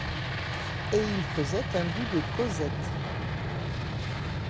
Et ils faisaient un bout de causette.